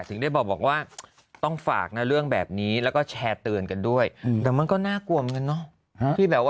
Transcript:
ถึงได้บอกว่าต้องฝากนะเรื่องแบบนี้แล้วก็แชร์เตือนกันด้วยแต่มันก็น่ากลัวเหมือนกันเนาะ